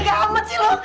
tegak amat sih lo